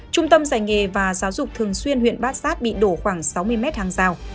trung tâm dạy nghề và giáo dục thường xuyên huyện bát sát bị đổ khoảng sáu mươi mét hàng rào